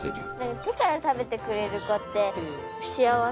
手から食べてくれる子って幸せ。